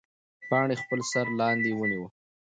پاڼې خپل سر لاندې ونیوه.